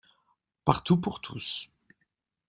Partout pour tous